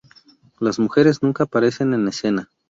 Las mujeres nunca aparecen en escena.